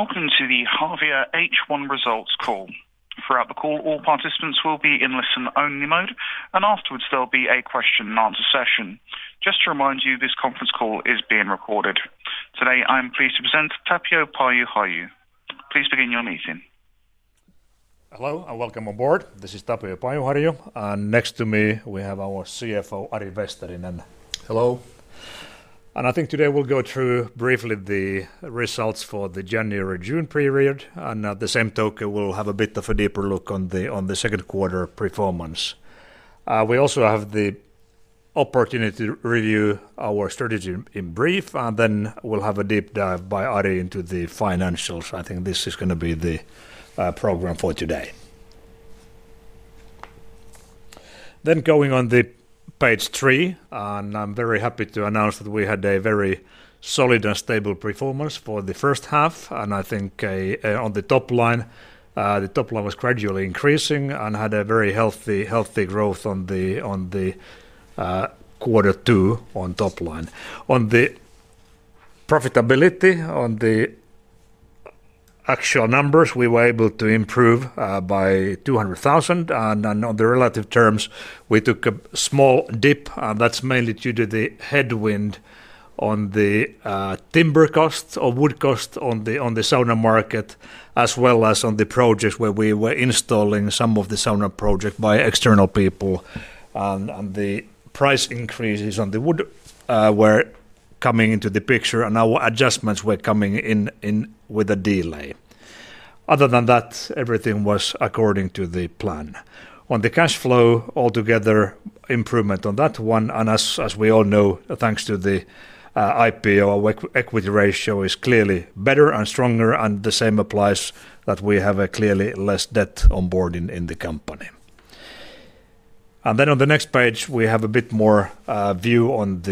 Welcome to the Harvia H1 Results Call. Throughout the call, all participants will be in listen-only mode, and afterwards there'll be a question-and-answer session. Just to remind you, this conference call is being recorded. Today, I'm pleased to present Tapio Pajuharju. Please begin your meeting. Hello, and welcome on board. This is Tapio Pajuharju, and next to me we have our CFO, Ari Vesterinen. Hello. I think today we'll go through briefly the results for the January-June period, and at the same token, we'll have a bit of a deeper look on the second quarter performance. We also have the opportunity to review our strategy in brief, and then we'll have a deep dive by Ari into the financials. I think this is going to be the program for today. Going on to page three, I'm very happy to announce that we had a very solid and stable performance for the first half, and I think on the top line, the top line was gradually increasing and had a very healthy growth on the quarter two on top line. On the profitability, on the actual numbers, we were able to improve by 200,000, and on the relative terms, we took a small dip, and that's mainly due to the headwind on the timber costs or wood costs on the sauna market, as well as on the projects where we were installing some of the sauna projects by external people. The price increases on the wood were coming into the picture, and our adjustments were coming in with a delay. Other than that, everything was according to the plan. On the cash flow, altogether improvement on that one, and as we all know, thanks to the IPO, our equity ratio is clearly better and stronger, and the same applies that we have a clearly less debt onboarding in the company. On the next page, we have a bit more view on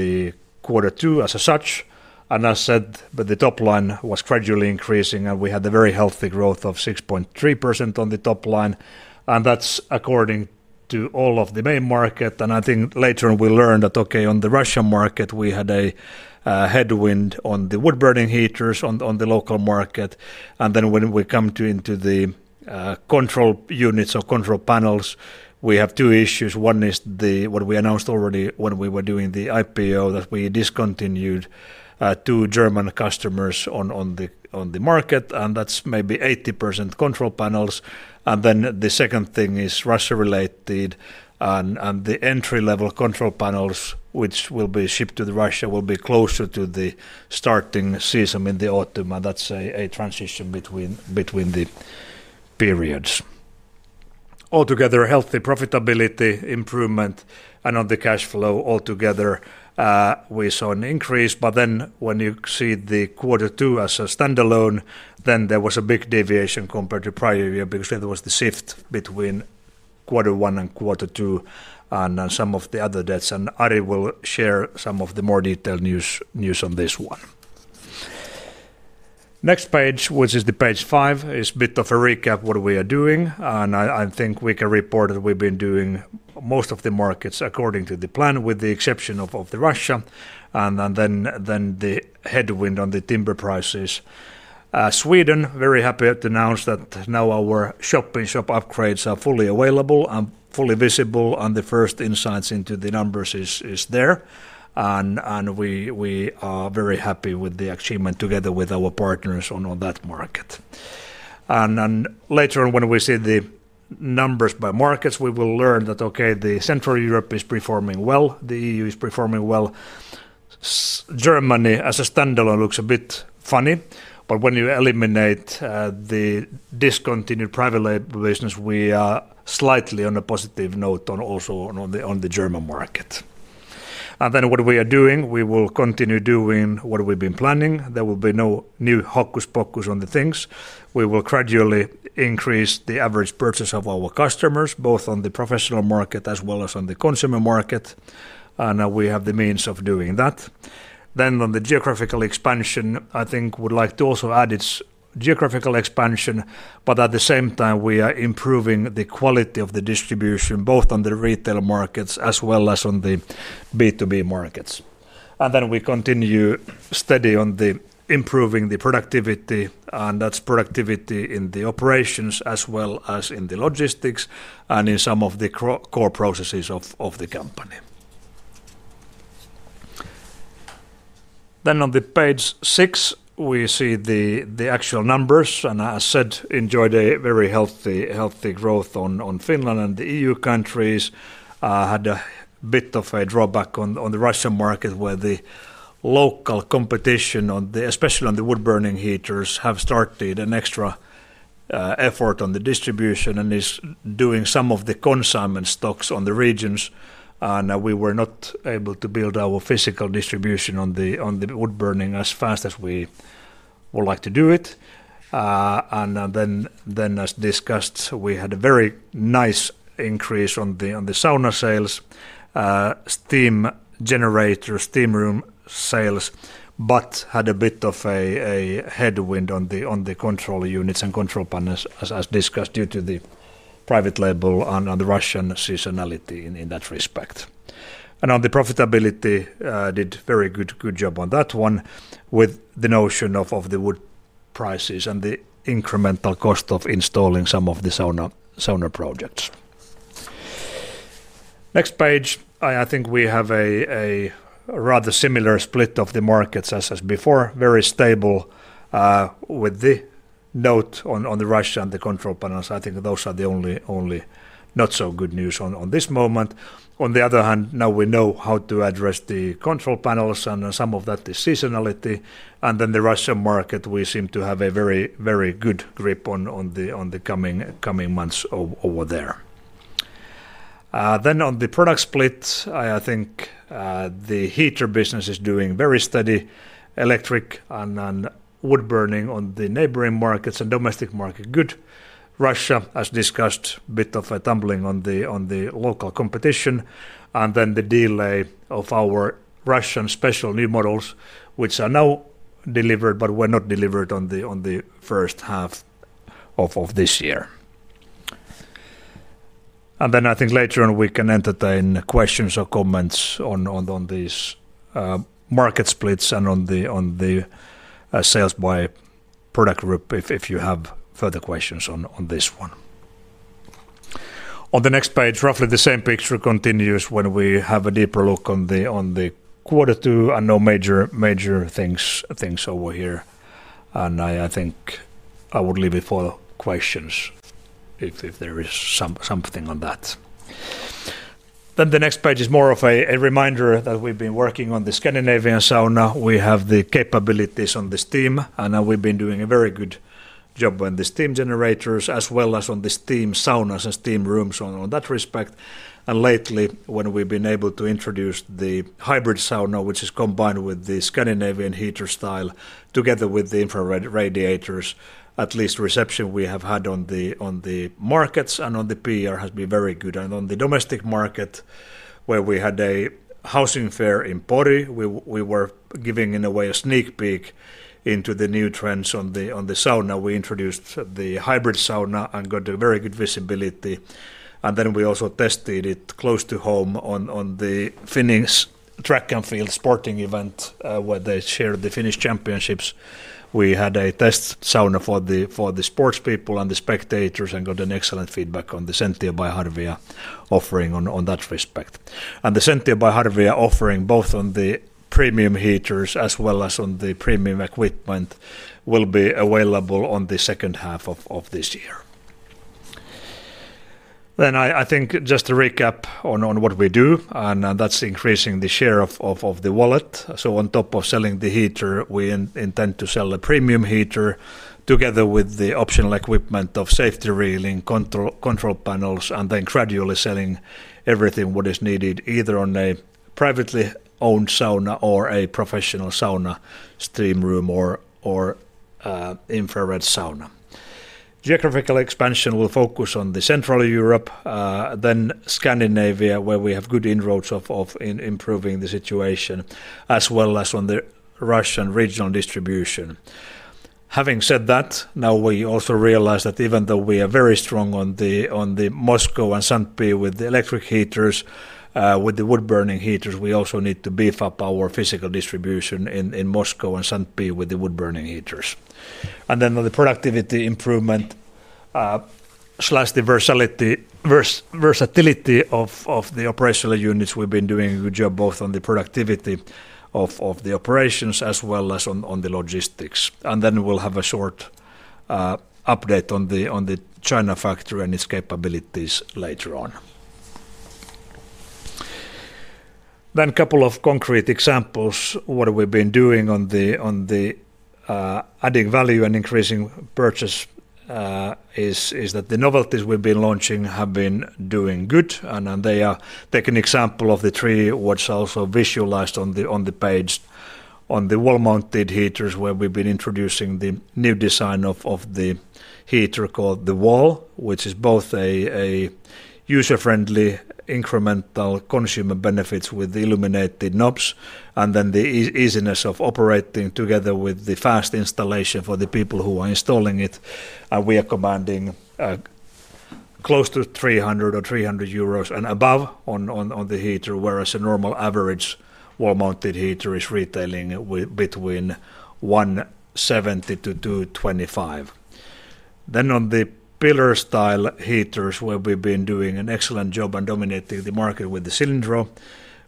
quarter two as such, and as said, the top line was gradually increasing, and we had a very healthy growth of 6.3% on the top line, and that's according to all of the main market. I think later on we learned that, okay, on the Russian market, we had a headwind on the wood-burning heaters on the local market, and then when we come into the control units or control panels, we have two issues. One is what we announced already when we were doing the IPO, that we discontinued two German customers on the market, and that's maybe 80% control panels. The second thing is Russia-related, and the entry-level control panels, which will be shipped to Russia, will be closer to the starting season in the autumn, and that is a transition between the periods. Altogether, healthy profitability improvement, and on the cash flow, altogether we saw an increase, but when you see quarter two as a standalone, there was a big deviation compared to prior year because there was the shift between quarter one and quarter two and some of the other debts, and Ari will share some of the more detailed news on this one. Next page, which is page five, is a bit of a recap of what we are doing, and I think we can report that we have been doing most of the markets according to the plan, with the exception of Russia, and the headwind on the timber prices. Sweden, very happy to announce that now our shop-in-shop upgrades are fully available and fully visible, and the first insights into the numbers is there, and we are very happy with the achievement together with our partners on that market. Later on, when we see the numbers by markets, we will learn that, okay, Central Europe is performing well, the EU is performing well, Germany as a standalone looks a bit funny, but when you eliminate the discontinued private label business, we are slightly on a positive note also on the German market. What we are doing, we will continue doing what we've been planning. There will be no new hocus pocus on the things. We will gradually increase the average purchase of our customers, both on the professional market as well as on the consumer market, and we have the means of doing that. On the geographical expansion, I think we'd like to also add its geographical expansion, but at the same time, we are improving the quality of the distribution, both on the retail markets as well as on the B2B markets. We continue steady on improving the productivity, and that's productivity in the operations as well as in the logistics and in some of the core processes of the company. On page six, we see the actual numbers, and as said, enjoyed a very healthy growth on Finland and the EU countries. Had a bit of a drawback on the Russian market where the local competition, especially on the wood-burning heaters, have started an extra effort on the distribution and is doing some of the consignment stocks on the regions, and we were not able to build our physical distribution on the wood-burning as fast as we would like to do it. As discussed, we had a very nice increase on the sauna sales, steam generator, steam room sales, but had a bit of a headwind on the control units and control panels, as discussed, due to the private label and the Russian seasonality in that respect. On the profitability, did a very good job on that one with the notion of the wood prices and the incremental cost of installing some of the sauna projects. Next page, I think we have a rather similar split of the markets as before, very stable with the note on the Russian and the control panels. I think those are the only not-so-good news at this moment. On the other hand, now we know how to address the control panels and some of that is seasonality, and the Russian market, we seem to have a very good grip on the coming months over there. On the product split, I think the heater business is doing very steady, electric and wood-burning on the neighboring markets and domestic market good. Russia, as discussed, a bit of a tumbling on the local competition, and the delay of our Russian special new models, which are now delivered but were not delivered in the first half of this year. I think later on we can entertain questions or comments on these market splits and on the sales by product group if you have further questions on this one. On the next page, roughly the same picture continues when we have a deeper look on the quarter two and no major things over here. I think I would leave it for questions if there is something on that. The next page is more of a reminder that we've been working on the Scandinavian sauna. We have the capabilities on the steam, and we've been doing a very good job on the steam generators as well as on the steam saunas and steam rooms on that respect. Lately, when we've been able to introduce the hybrid sauna, which is combined with the Scandinavian heater style together with the infrared radiators, at least reception we have had on the markets and on the PR has been very good. On the domestic market, where we had a housing fair in Pori, we were giving in a way a sneak peek into the new trends on the sauna. We introduced the hybrid sauna and got a very good visibility, and then we also tested it close to home on the Finnish track and field sporting event where they share the Finnish championships. We had a test sauna for the sports people and the spectators and got an excellent feedback on the Sentio by Harvia offering on that respect. The Sentio by Harvia offering, both on the premium heaters as well as on the premium equipment, will be available in the second half of this year. I think just to recap on what we do, and that is increasing the share of the wallet. On top of selling the heater, we intend to sell a premium heater together with the optional equipment of safety railing, control panels, and then gradually selling everything that is needed either on a privately owned sauna or a professional sauna, steam room, or infrared sauna. Geographical expansion will focus on Central Europe, then Scandinavia, where we have good inroads of improving the situation, as well as on the Russian regional distribution. Having said that, now we also realize that even though we are very strong on the Moscow and Saint Petersburg with the electric heaters, with the wood-burning heaters, we also need to beef up our physical distribution in Moscow and Saint Petersburg with the wood-burning heaters. On the productivity improvement and versatility of the operational units, we've been doing a good job both on the productivity of the operations as well as on the logistics. We will have a short update on the China factory and its capabilities later on. A couple of concrete examples of what we've been doing on the adding value and increasing purchase is that the novelties we've been launching have been doing good, and they are taking example of the three what's also visualized on the page, on the wall-mounted heaters where we've been introducing the new design of the heater called the Wall, which is both a user-friendly incremental consumer benefits with the illuminated knobs, and the easiness of operating together with the fast installation for the people who are installing it. We are commanding close to 300 or 300 euros and above on the heater, whereas a normal average wall-mounted heater is retailing between 170-225. On the pillar-style heaters where we've been doing an excellent job and dominating the market with the Cilindro,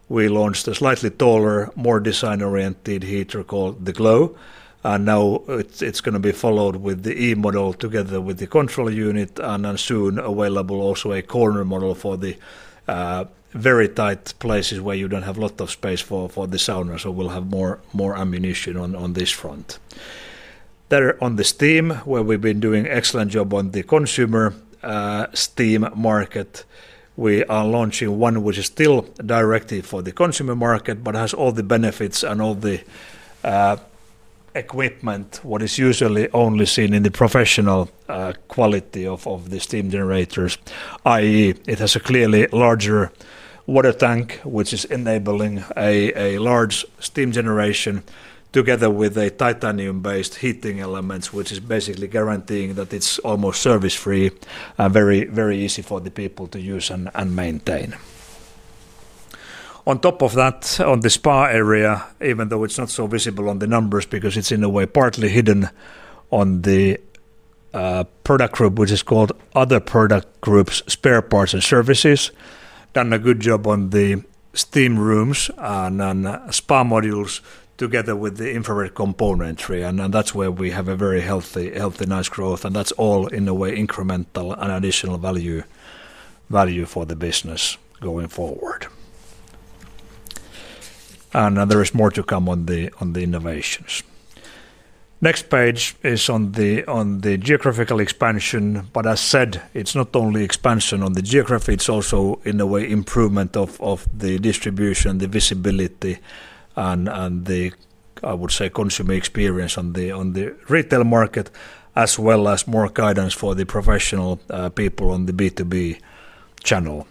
we launched a slightly taller, more design-oriented heater called the Glow, and now it's going to be followed with the E model together with the control unit, and soon available also a corner model for the very tight places where you don't have a lot of space for the sauna, so we'll have more ammunition on this front. On the steam, where we've been doing an excellent job on the consumer steam market, we are launching one which is still directed for the consumer market but has all the benefits and all the equipment that is usually only seen in the professional quality of the steam generators, i.e., it has a clearly larger water tank which is enabling a large steam generation together with a titanium-based heating element which is basically guaranteeing that it's almost service-free and very easy for the people to use and maintain. On top of that, on the spa area, even though it's not so visible on the numbers because it's in a way partly hidden on the product group, which is called other product groups, spare parts and services, done a good job on the steam rooms and spa modules together with the infrared componentry, and that's where we have a very healthy, nice growth, and that's all in a way incremental and additional value for the business going forward. There is more to come on the innovations. Next page is on the geographical expansion, but as said, it's not only expansion on the geography, it's also in a way improvement of the distribution, the visibility, and the, I would say, consumer experience on the retail market, as well as more guidance for the professional people on the B2B channel.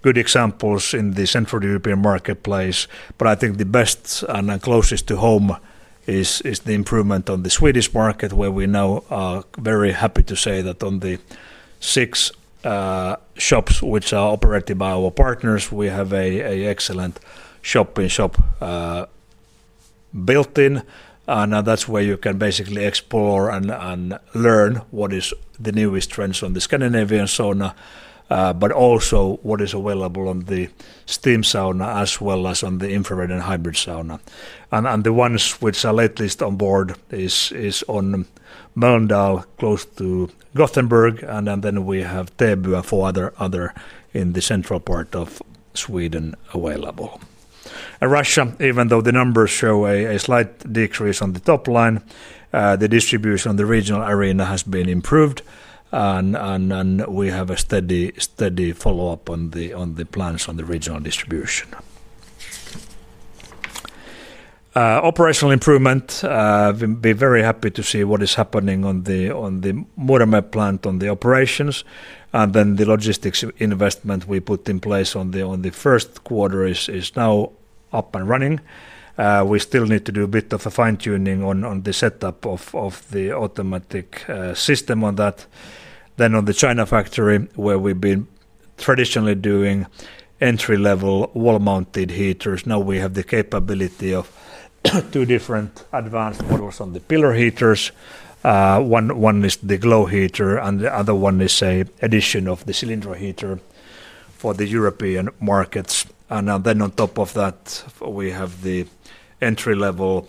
Good examples in the Central European marketplace, but I think the best and closest to home is the improvement on the Swedish market where we now are very happy to say that on the six shops which are operated by our partners, we have an excellent shopping shop built-in, and that's where you can basically explore and learn what is the newest trends on the Scandinavian sauna, but also what is available on the steam sauna as well as on the infrared and hybrid sauna. The ones which are latest on board is on Mölndal, close to Gothenburg, and then we have Täby and four other in the central part of Sweden available. Russia, even though the numbers show a slight decrease on the top line, the distribution on the regional arena has been improved, and we have a steady follow-up on the plans on the regional distribution. Operational improvement, we'll be very happy to see what is happening on the Muuramäe plant on the operations, and the logistics investment we put in place on the first quarter is now up and running. We still need to do a bit of a fine-tuning on the setup of the automatic system on that. On the China factory, where we've been traditionally doing entry-level wall-mounted heaters, now we have the capability of two different advanced models on the pillar heaters. One is the Glow heater, and the other one is an addition of the Cilindro heater for the European markets. On top of that, we have the entry-level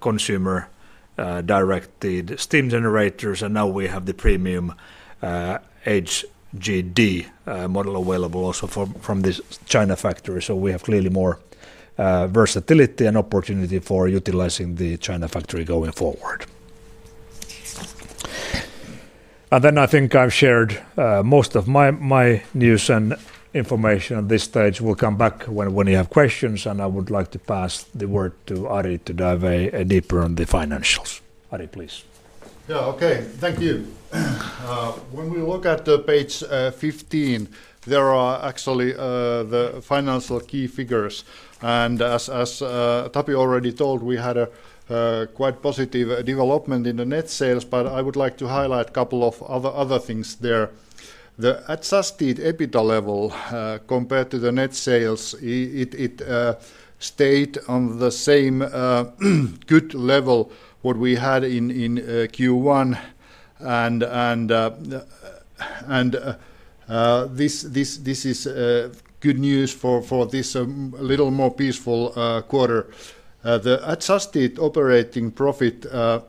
consumer-directed steam generators, and now we have the premium HGD model available also from the China factory, so we have clearly more versatility and opportunity for utilizing the China factory going forward. I think I've shared most of my news and information on this stage. We'll come back when you have questions, and I would like to pass the word to Ari to dive a deeper on the financials. Ari, please. Yeah, okay, thank you. When we look at page 15, there are actually the financial key figures, and as Tapio already told, we had a quite positive development in the net sales, but I would like to highlight a couple of other things there. The adjusted EBITDA level compared to the net sales, it stayed on the same good level what we had in Q1, and this is good news for this little more peaceful quarter. The adjusted operating profit, the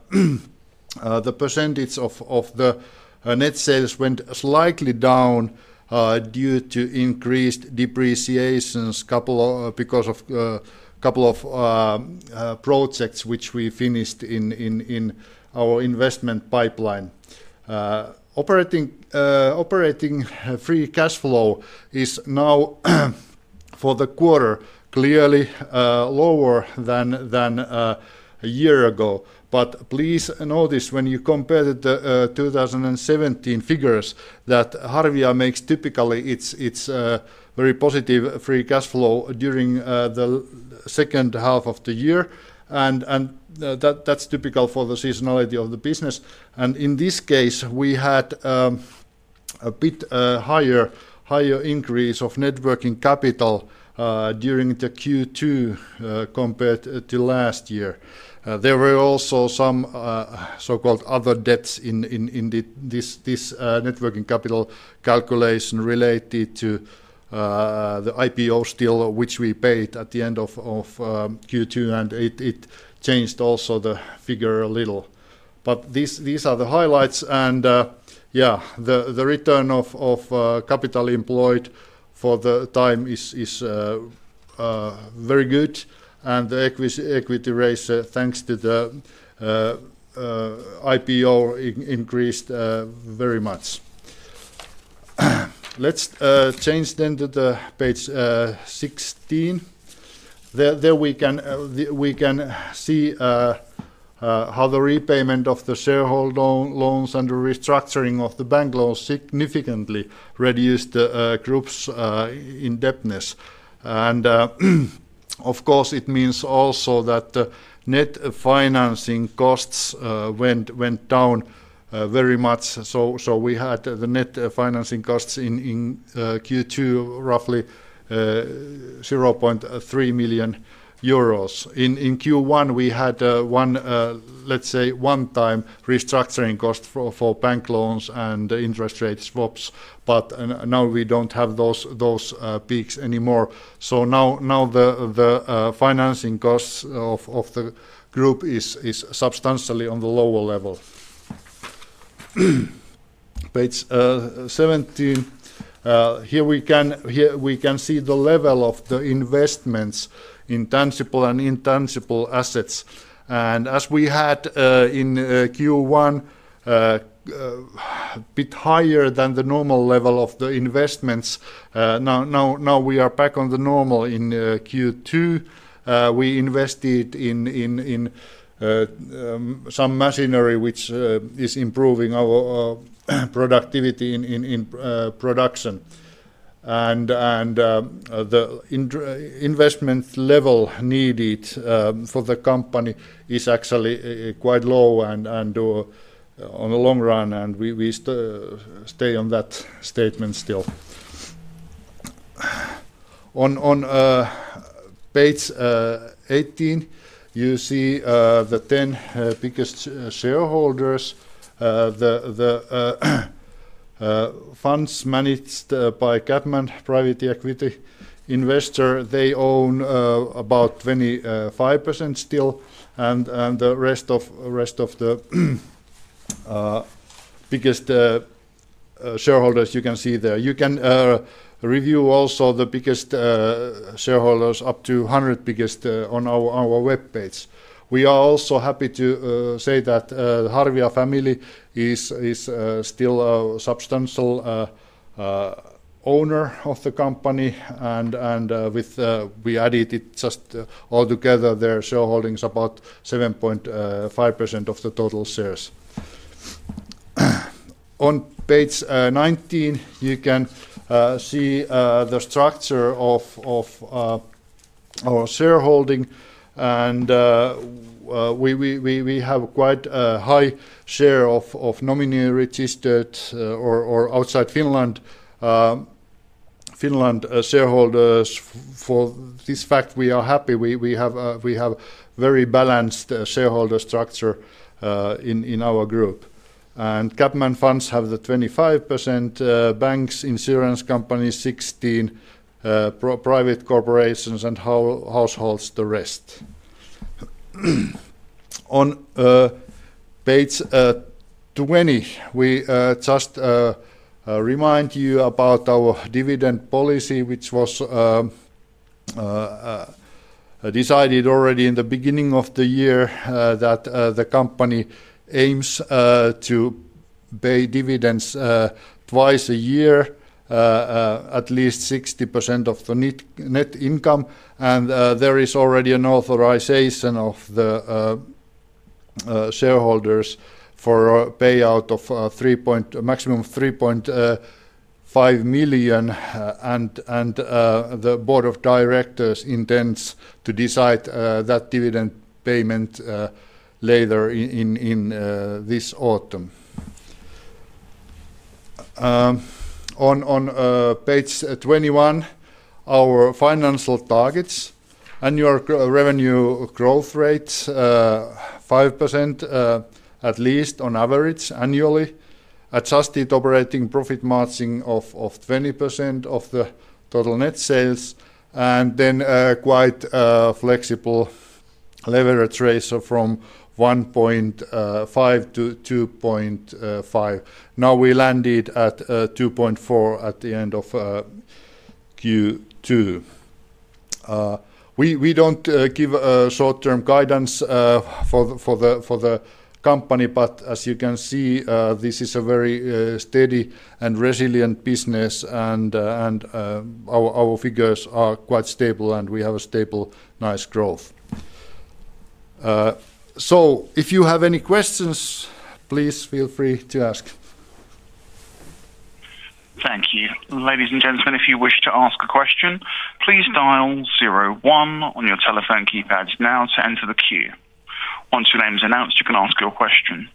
percentage of the net sales went slightly down due to increased depreciations because of a couple of projects which we finished in our investment pipeline. Operating free cash flow is now, for the quarter, clearly lower than a year ago, but please notice when you compare the 2017 figures that Harvia makes typically its very positive free cash flow during the second half of the year, and that's typical for the seasonality of the business. In this case, we had a bit higher increase of networking capital during Q2 compared to last year. There were also some so-called other debts in this networking capital calculation related to the IPO still which we paid at the end of Q2, and it changed also the figure a little. These are the highlights, and yeah, the return of capital employed for the time is very good, and the equity raise, thanks to the IPO, increased very much. Let's change then to page 16. There we can see how the repayment of the shareholder loans and the restructuring of the bank loans significantly reduced the group's indebtedness. It means also that the net financing costs went down very much, so we had the net financing costs in Q2 roughly 0.3 million euros. In Q1, we had, let's say, one-time restructuring cost for bank loans and interest rate swaps, but now we do not have those peaks anymore, so now the financing costs of the group is substantially on the lower level. Page 17, here we can see the level of the investments in tangible and intangible assets, and as we had in Q1, a bit higher than the normal level of the investments. Now we are back on the normal in Q2. We invested in some machinery which is improving our productivity in production, and the investment level needed for the company is actually quite low on the long run, and we stay on that statement still. On page 18, you see the 10 biggest shareholders, the funds managed by CapMan Private Equity. They own about 25% still, and the rest of the biggest shareholders you can see there. You can review also the biggest shareholders, up to 100 biggest, on our web page. We are also happy to say that the Harvia family is still a substantial owner of the company, and we added it just altogether, their shareholding is about 7.5% of the total shares. On page 19, you can see the structure of our shareholding, and we have a quite high share of nominee-registered or outside Finland shareholders. For this fact, we are happy; we have a very balanced shareholder structure in our group. CapMan have the 25%, banks, insurance companies, 16%, private corporations, and households, the rest. On page 20, we just remind you about our dividend policy, which was decided already in the beginning of the year, that the company aims to pay dividends twice a year, at least 60% of the net income, and there is already an authorization of the shareholders for payout of maximum 3.5 million, and the board of directors intends to decide that dividend payment later in this autumn. On page 21, our financial targets, annual revenue growth rates, 5% at least on average annually, adjusted operating profit margin of 20% of the total net sales, and then quite flexible leverage ratio from 1.5-2.5. Now we landed at 2.4 at the end of Q2. We don't give short-term guidance for the company, but as you can see, this is a very steady and resilient business, and our figures are quite stable, and we have a stable, nice growth. If you have any questions, please feel free to ask. Thank you. Ladies and gentlemen, if you wish to ask a question, please dial zero one on your telephone keypad now to enter the queue. Once your name is announced, you can ask your question.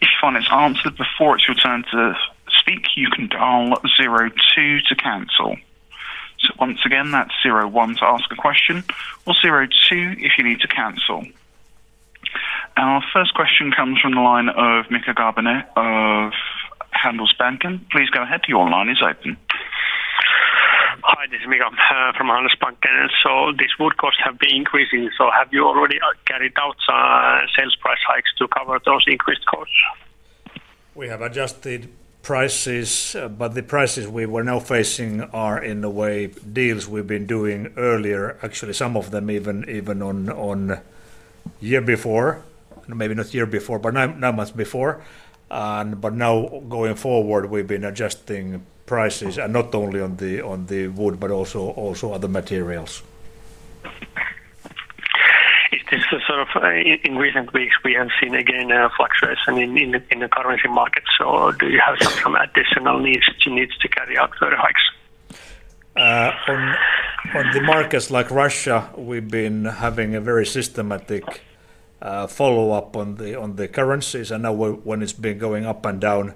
If you find it's answered before it's your turn to speak, you can dial zero two to cancel. Once again, that's zero one to ask a question or zero two if you need to cancel. Our first question comes from the line of Mika Karppinen of Handelsbanken. Please go ahead, your line is open. Hi, this is Mika from Handelsbanken. These wood costs have been increasing, so have you already carried out sales price hikes to cover those increased costs? We have adjusted prices, but the prices we were now facing are in the way deals we've been doing earlier, actually some of them even on the year before, maybe not year before, but now much before. Now going forward, we've been adjusting prices, and not only on the wood but also other materials. Is this the sort of increase in which we have seen again fluctuation in the currency markets? Do you have some additional needs to carry out further hikes? On the markets like Russia, we've been having a very systematic follow-up on the currencies, and now when it's been going up and down,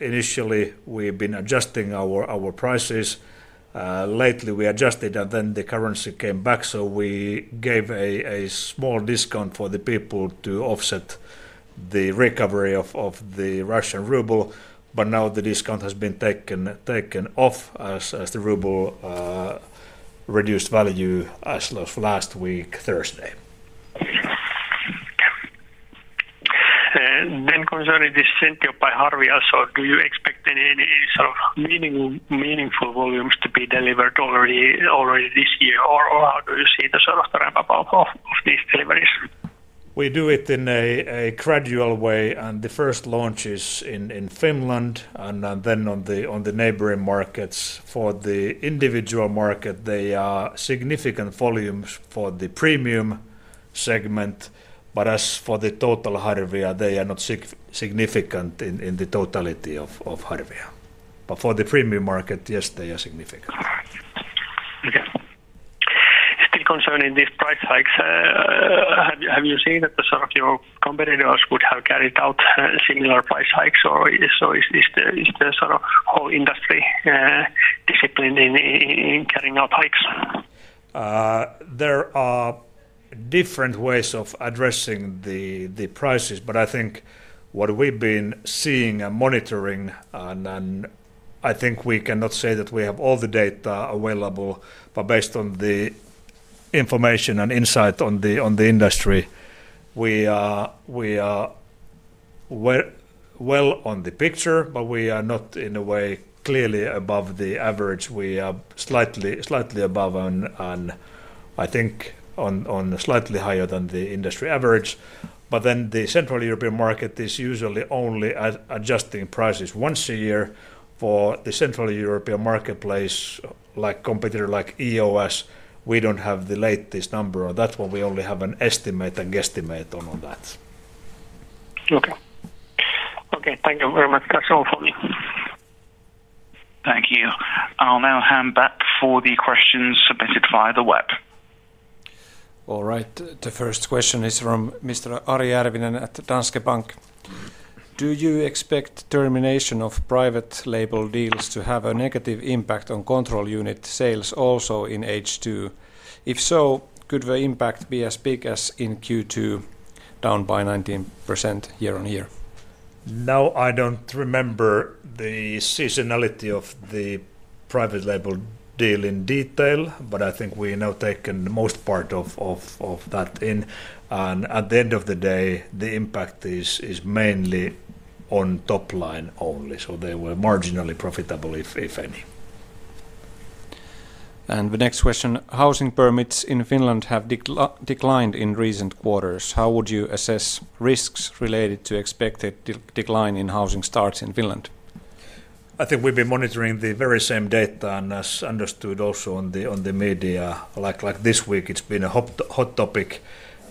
initially we've been adjusting our prices. Lately, we adjusted, and then the currency came back, so we gave a small discount for the people to offset the recovery of the Russian ruble, but now the discount has been taken off as the ruble reduced value as of last week, Thursday. Concerning this Sentio by Harvia, do you expect any sort of meaningful volumes to be delivered already this year, or how do you see the sort of ramp-up of these deliveries? We do it in a gradual way, and the first launch is in Finland, and then on the neighboring markets. For the individual market, they are significant volumes for the premium segment, but as for the total Harvia, they are not significant in the totality of Harvia. For the premium market, yes, they are significant. Okay. Still concerning these price hikes, have you seen that some of your competitors would have carried out similar price hikes, or is there sort of whole industry discipline in carrying out hikes? There are different ways of addressing the prices, but I think what we've been seeing and monitoring, and I think we cannot say that we have all the data available, but based on the information and insight on the industry, we are well on the picture, but we are not in a way clearly above the average. We are slightly above, and I think slightly higher than the industry average, but then the Central European market is usually only adjusting prices once a year. For the Central European marketplace, like competitor like EOS, we don't have the latest number, and that's why we only have an estimate and guesstimate on that. Okay. Okay, thank you very much, Tapio Pajuharju. Thank you. I'll now hand back for the questions submitted via the web. All right, the first question is from Mr. Ari Järvinen at Danske Bank. Do you expect termination of private label deals to have a negative impact on control unit sales also in H2? If so, could the impact be as big as in Q2, down by 19% year-on-year? Now, I don't remember the seasonality of the private label deal in detail, but I think we now take the most part of that in, and at the end of the day, the impact is mainly on top line only, so they were marginally profitable, if any. The next question: housing permits in Finland have declined in recent quarters. How would you assess risks related to expected decline in housing starts in Finland? I think we've been monitoring the very same data, and as understood also on the media, like this week, it's been a hot topic.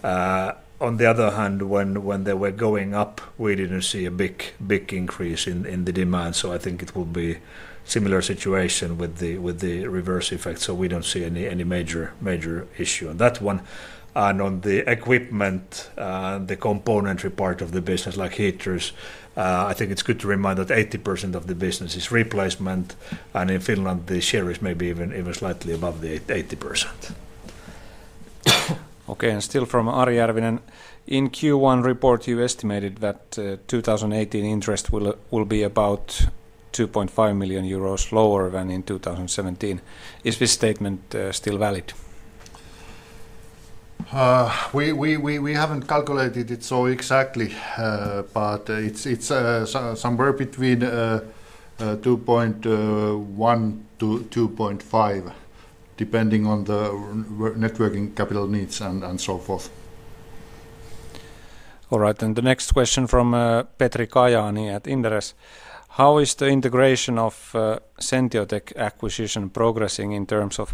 On the other hand, when they were going up, we didn't see a big increase in the demand, so I think it will be a similar situation with the reverse effect, so we don't see any major issue on that one. On the equipment, the componentary part of the business, like heaters, I think it's good to remind that 80% of the business is replacement, and in Finland, the share is maybe even slightly above the 80%. Okay, and still from Ari Järvinen: in Q1 report, you estimated that 2018 interest will be about 2.5 million euros lower than in 2017. Is this statement still valid? We haven't calculated it so exactly, but it's somewhere between 2.1-2.5, depending on the networking capital needs and so forth. All right, and the next question from Petri Kajaani at Inderes: how is the integration of Sentiotec acquisition progressing in terms of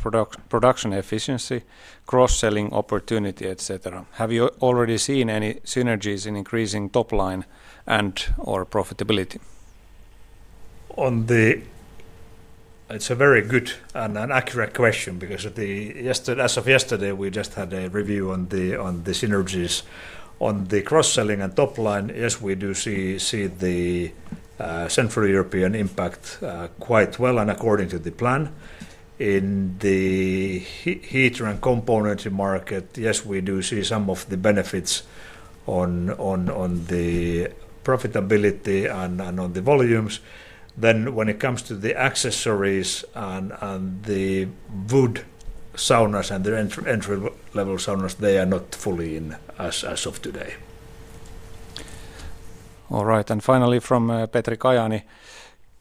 production efficiency, cross-selling opportunity, etc.? Have you already seen any synergies in increasing top line and/or profitability? It's a very good and accurate question because as of yesterday, we just had a review on the synergies. On the cross-selling and top line, yes, we do see the Central European impact quite well and according to the plan. In the heater and componentary market, yes, we do see some of the benefits on the profitability and on the volumes. When it comes to the accessories and the wood saunas and the entry-level saunas, they are not fully in as of today. All right, and finally from Petri Kajaani: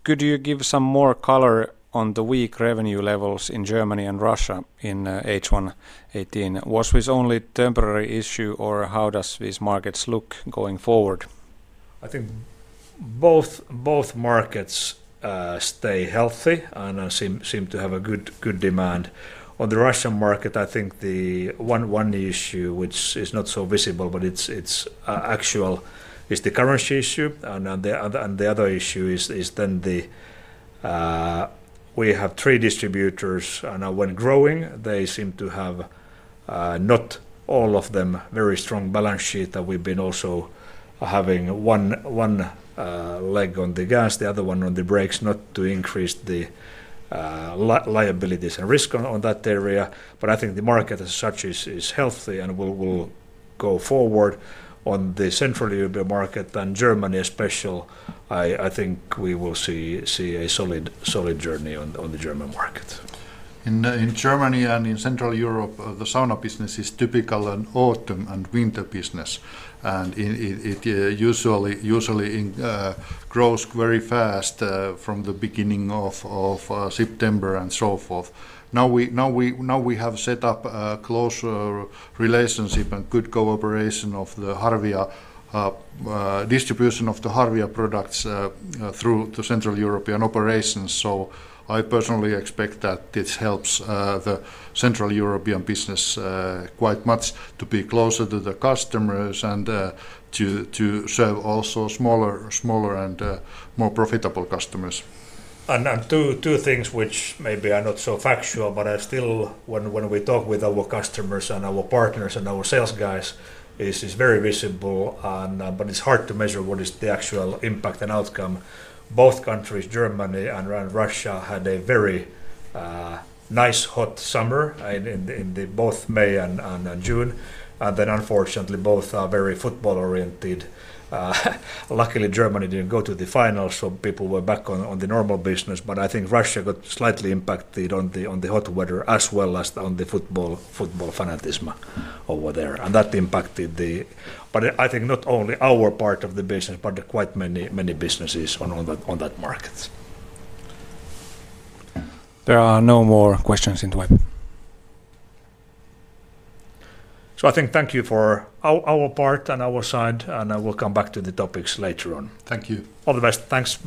could you give some more color on the weak revenue levels in Germany and Russia in H1 2018? Was this only a temporary issue, or how do these markets look going forward? I think both markets stay healthy and seem to have a good demand. On the Russian market, I think the one issue, which is not so visible but it's actual, is the currency issue, and the other issue is then we have three distributors, and when growing, they seem to have not all of them very strong balance sheets, and we've been also having one leg on the gas, the other one on the brakes, not to increase the liabilities and risk on that area. I think the market as such is healthy and will go forward. On the Central European market and Germany especially, I think we will see a solid journey on the German market. In Germany and in Central Europe, the sauna business is typical and autumn and winter business, and it usually grows very fast from the beginning of September and so forth. Now we have set up a closer relationship and good cooperation of the distribution of the Harvia products through the Central European operations, so I personally expect that this helps the Central European business quite much to be closer to the customers and to serve also smaller and more profitable customers. Two things which maybe are not so factual, but still when we talk with our customers and our partners and our sales guys, it's very visible, but it's hard to measure what is the actual impact and outcome. Both countries, Germany and Russia, had a very nice hot summer in both May and June, and unfortunately both are very football-oriented. Luckily, Germany did not go to the final, so people were back on the normal business, but I think Russia got slightly impacted on the hot weather as well as on the football fanaticism over there, and that impacted the, but I think not only our part of the business, but quite many businesses on that market. There are no more questions in the web. I think thank you for our part and our side, and I will come back to the topics later on. Thank you. All the best. Thanks.